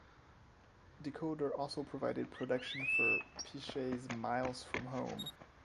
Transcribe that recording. Decoder also provided production for Peshay's "Miles From Home".